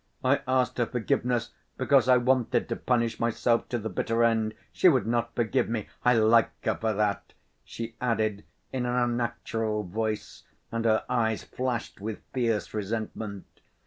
I asked her forgiveness because I wanted to punish myself to the bitter end. She would not forgive me.... I like her for that!" she added, in an unnatural voice, and her eyes flashed with fierce resentment.